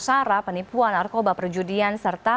sara penipuan narkoba perjudian serangan dan